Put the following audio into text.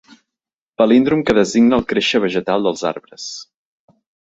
Palíndrom que designa el créixer vegetal dels arbres.